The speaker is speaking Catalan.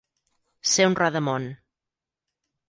Ser un rodamón.